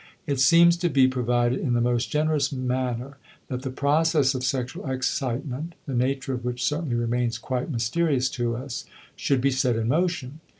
It seems to be provided in the most generous manner that the process of sexual excitement the nature of which certainly remains quite mysterious to us should be set in motion.